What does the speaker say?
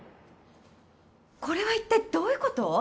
これは一体どういうこと？